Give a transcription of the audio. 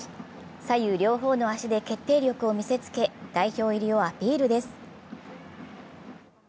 左右両方の足で決定力を見せつけ代表入りをアピールです。